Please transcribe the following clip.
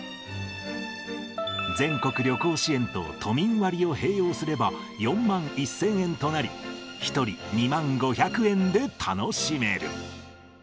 全国旅行支援と都民割を併用すれば、４万１０００円となり、１人２万５００円で楽しめる。